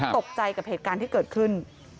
ตกใจกับเหตุการณ์ที่เกิดขึ้น